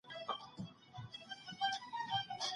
هغه وویل چي ډېر ږدن او پاڼي له کړکۍ څخه راځي.